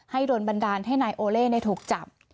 ให้โดนบันดาลให้นายโอเล่เนี่ยถูกจับ